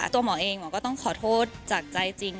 ตัวหมอเองหมอก็ต้องขอโทษจากใจจริง